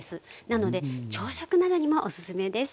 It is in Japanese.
なので朝食などにもおすすめです。